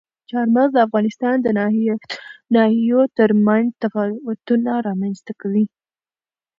چار مغز د افغانستان د ناحیو ترمنځ تفاوتونه رامنځته کوي.